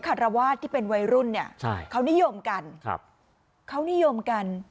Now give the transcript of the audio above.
คารวาสที่เป็นวัยรุ่นเนี่ยใช่เขานิยมกันครับเขานิยมกัน